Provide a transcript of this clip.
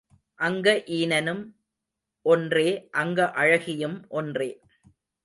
அங்க ஈனனும் ஒன்றே அங்க அழகியும் ஒன்றே.